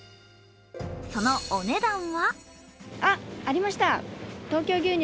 そのお値段は？